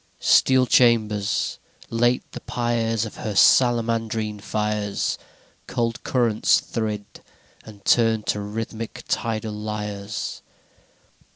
II Steel chambers, late the pyres Of her salamandrine fires, Cold currents thrid, and turn to rythmic tidal lyres.